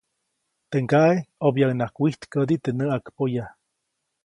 Teʼ ŋgaʼe ʼobyaʼuŋnaʼajk wijtkädi teʼ näʼakpoya.